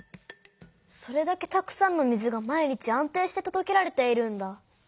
それだけたくさんの水が毎日安定してとどけられているんだ。